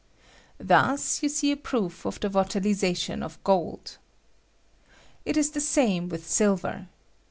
Tima you see a proof of the volatOization of gold. It is the same with bU ver.